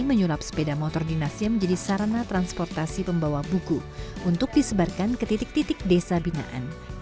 menyulap sepeda motor dinasnya menjadi sarana transportasi pembawa buku untuk disebarkan ke titik titik desa binaan